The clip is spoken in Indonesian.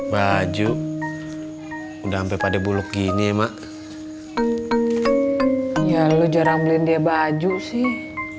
baju udah sampai pada buluk gini mak ya lo jarang beliin dia baju sih